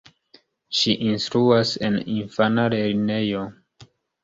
Ŝi instruas en infana lernejo.